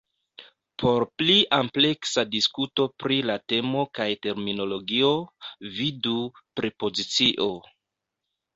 Por pli ampleksa diskuto pri la temo kaj terminologio, vidu "prepozicio".